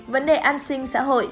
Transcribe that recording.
vấn đề an sinh xã hội